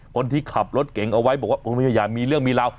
คนที่ขับรถเก่งเอาไว้บอกว่าอย่ามีเรื่องมีราว